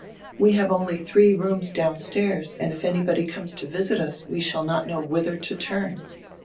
"We have only diree rooms downstairs and if anybody conies to visit us we shall not know whither to turn.